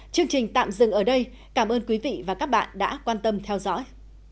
chương trình tạm dừng ở đây cảm ơn quý vị và các bạn đã quan tâm theo dõi